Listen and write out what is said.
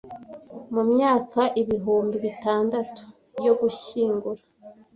mu myaka ibihumbi bitandatu yo gushyingura